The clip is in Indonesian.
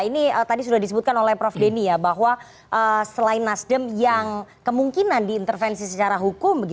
ini tadi sudah disebutkan oleh prof denny ya bahwa selain nasdem yang kemungkinan diintervensi secara hukum